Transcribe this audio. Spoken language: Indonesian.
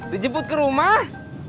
dijemput ke rumah